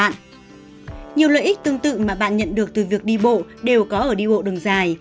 nhiều lợi ích tương tự mà bạn nhận được từ việc đi bộ đều có ở đi bộ đường dài